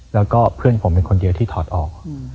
แล้วก็เพื่อนผมเป็นคนเดียวที่ถอดออก